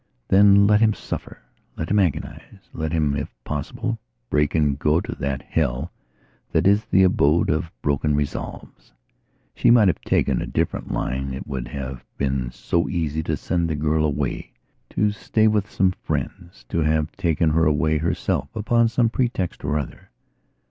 Then let him suffer, let him agonize; let him, if possible, break and go to that Hell that is the abode of broken resolves. She might have taken a different line. It would have been so easy to send the girl away to stay with some friends; to have taken her away herself upon some pretext or other.